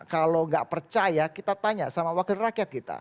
kalau nggak percaya kita tanya sama wakil rakyat kita